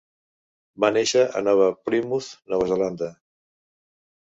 Va néixer a Nova Plymouth, Nova Zelanda.